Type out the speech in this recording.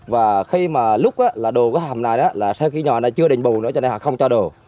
và khi mà lúc là đồ của hầm này là sau khi nhỏ này chưa đỉnh bù nữa cho nên họ không cho đồ